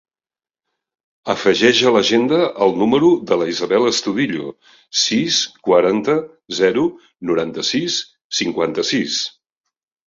Afegeix a l'agenda el número de l'Isabel Estudillo: sis, quaranta, zero, noranta-sis, cinquanta-sis.